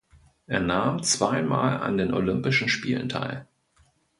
Er nahm zweimal an den Olympischen Spielen teil.